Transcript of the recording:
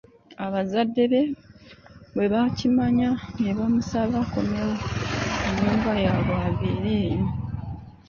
Abazadde be bwe bakimanya, ne bamusaba akomewo mu nnyumba yabwe abeere eyo.